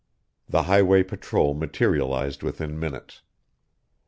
The highway patrol materialized within minutes.